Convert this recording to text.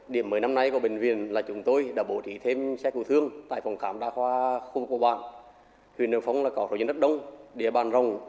điểm mới năm nay của bệnh viện là chúng tôi đã bổ thí thêm xe cụ thương tại phòng khám đa khoa khu vực của bạn